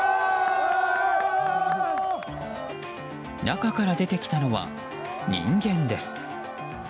中から出てきたのは人間です。